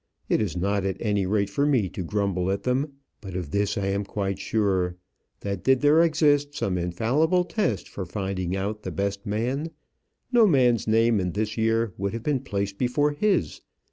It is not at any rate for me to grumble at them. But of this I am quite sure, that did there exist some infallible test for finding out the best man, no man's name in this year would have been placed before his.